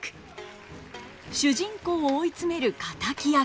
主人公を追い詰める敵役。